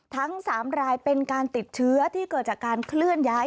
ทั้ง๓รายเป็นการติดเชื้อที่เกิดจากการเคลื่อนย้าย